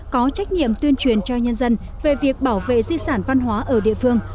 có trách nhiệm tuyên truyền cho nhân dân về việc bảo vệ di sản văn hóa ở địa phương